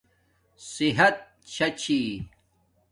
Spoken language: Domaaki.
صحت شا چھی